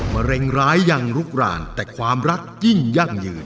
มะเร็งร้ายยังลุกรานแต่ความรักยิ่งยั่งยืน